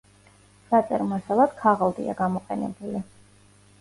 საწერ მასალად ქაღალდია გამოყენებული.